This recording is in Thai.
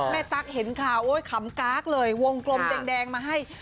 ตั๊กเห็นข่าวโอ๊ยขำก๊ากเลยวงกลมแดงมาให้